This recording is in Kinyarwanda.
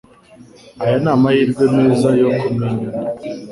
Aya ni amahirwe meza yo kumenyana.